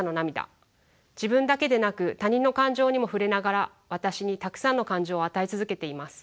自分だけでなく他人の感情にも触れながら私にたくさんの感情を与え続けています。